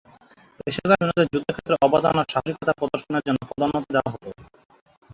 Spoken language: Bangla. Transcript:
পেশাদার সৈন্যদের যুদ্ধক্ষেত্রে অবদান ও সাহসিকতা প্রদর্শনের জন্যে পদোন্নতি দেয়া হত।